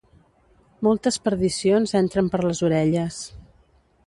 Moltes perdicions entren per les orelles.